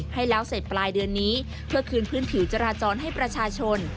ให้แล้วเสร็จปลายเดือนนี้เพื่อคืนพื้นผิวจราจรให้ประชาชน